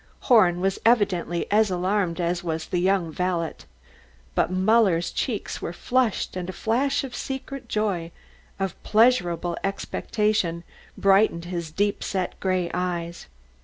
Horn was evidently as alarmed as was the young valet. But Muller's cheeks were flushed and a flash of secret joy, of pleasurable expectation, brightened his deep set, grey eyes.